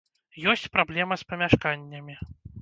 Ёсць праблема з памяшканнямі.